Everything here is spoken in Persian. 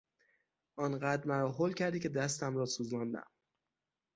آنقدر مرا هول کردی که دستم را سوزاندم!